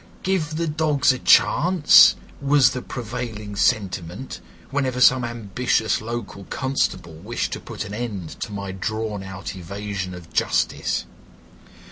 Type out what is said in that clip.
"Give the dogs a chance," was the prevailing sentiment, whenever some ambitious local constable wished to put an end to my drawn out evasion of justice.